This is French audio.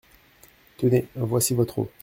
Tenez, voici votre eau.